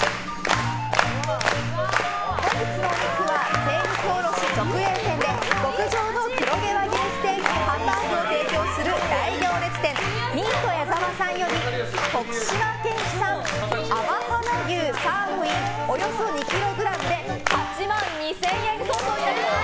本日のお肉は、精肉卸直営店で極上の黒毛和牛ステーキハンバーグを提供する大行列店ミート矢澤さんより徳島県産、阿波華牛サーロインおよそ２ｋｇで８万２０００円相当になります。